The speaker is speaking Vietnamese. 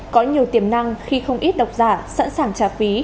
có nhiều tiềm năng khi không ít độc giả sẵn sàng trả phí